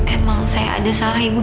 emang saya ada salah ibu